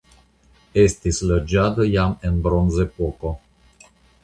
Estis loĝado jam en Bronzepoko.